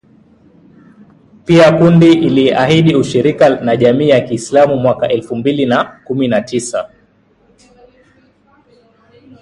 Pia kundi liliahidi ushirika na Jamii ya kiislamu mwaka elfu mbili na kumi na tisa